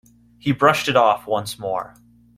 He brushed it off once more.